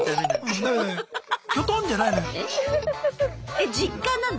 え実家なの？